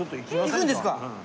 行くんですか？